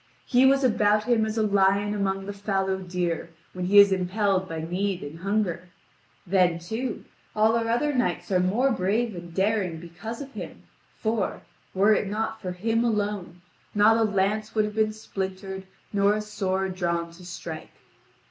He was about him as a lion among the fallow deer, when he is impelled by need and hunger. Then, too, all our other knights are more brave and daring because of him, for, were it not for him alone, not a lance would have been splintered nor a sword drawn to strike.